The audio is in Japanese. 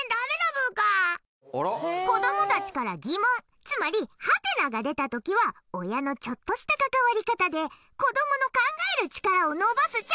子供たちから疑問つまりハテナが出たときは親のちょっとした関わり方で子供の考える力を伸ばすチャンスなんだブーカ！